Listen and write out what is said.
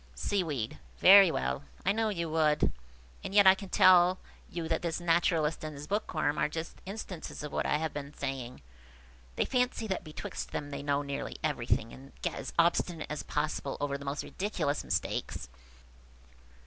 Seaweed. "Very well, I know you would; and yet I can tell you that this naturalist and his bookworm are just instances of what I have been saying. They fancy that betwixt them they know nearly everything, and get as obstinate as possible over the most ridiculous mistakes."